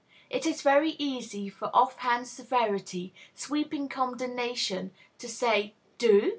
It is very easy for off hand severity, sweeping condemnation, to say, "Do!